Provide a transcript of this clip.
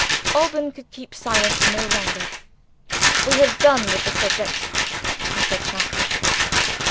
Alban could keep silent no longer. "We have done with the subject," he said sharply.